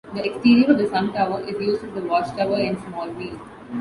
The exterior of the Sun Tower is used as the Watchtower in "Smallville".